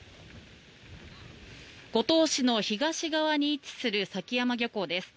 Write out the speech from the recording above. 五島市の東側に位置する崎山漁港です。